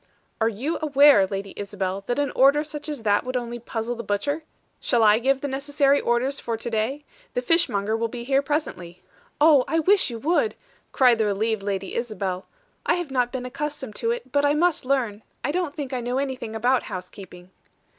"Are you aware, Lady Isabel, that an order such as that would only puzzle the butcher? Shall I give the necessary orders for to day? The fishmonger will be here presently!" "Oh, I wish you would!" cried the relieved Lady Isabel. "I have not been accustomed to it, but I must learn. I don't think I know anything about housekeeping."